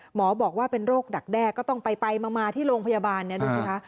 หมอบอกว่าเป็นโรคดักแด้ก็ต้องไปมาที่โรงพยาบาลเนี่ยดูสิคะ